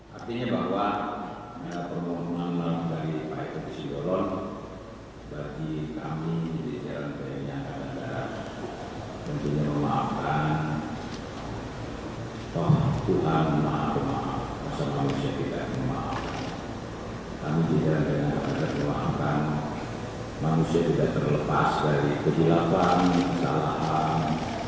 kami juga tidak akan mengangkat manusia tidak terlepas dari kejilapan salahan